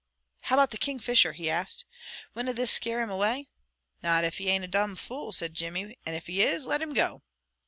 "How about the Kingfisher?" he asked. "Winna this scare him away?" "Not if he ain't a domn fool," said Jimmy; "and if he is, let him go!"